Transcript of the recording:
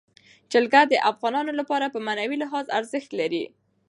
جلګه د افغانانو لپاره په معنوي لحاظ ارزښت لري.